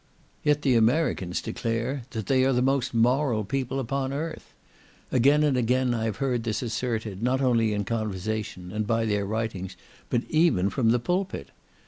Yet the Americans declare that "they are the most moral people upon earth." Again and again I have heard this asserted, not only in conversation, and by their writings, but even from the pulpit.